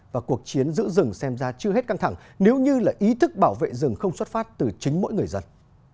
và cuộc chiến giữ rừng xem ra chưa hết căng thẳng nếu như là ý thức bảo vệ rừng không xuất phát từ chính mỗi người dân